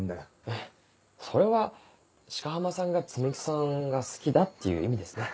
えっそれは鹿浜さんが摘木さんが好きだっていう意味ですね。